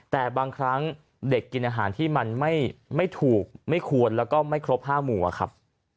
แต่บางครั้งเด็กกินอาหารที่มันไม่ถูกไม่ควรแล้วก็ไม่ครบ๕หมู่ครับ